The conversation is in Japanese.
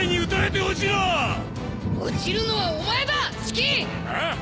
落ちるのはお前だシキ！